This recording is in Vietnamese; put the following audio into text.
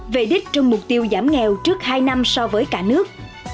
về đích trong mục tiêu giảm nghèo trước hai năm so với cả nước